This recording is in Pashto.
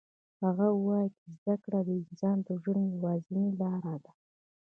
هغه وایي چې زده کړه د انسان د ژوند یوازینی لار ده